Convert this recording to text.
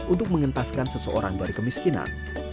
untuk mengentaskan seseorang dari kemiskinan